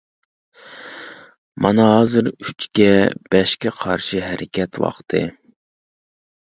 مانا ھازىر «ئۈچكە، بەشكە قارشى ھەرىكەت» ۋاقتى.